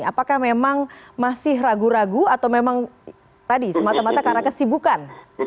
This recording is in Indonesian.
apakah memang masih ragu ragu atau memang tadi semata mata karena kesibukan